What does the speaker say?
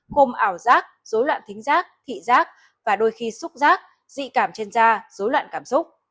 cùng ảo giác rối loạn thính giác thị giác và đôi khi xúc giác dị cảm trên da rối loạn cảm xúc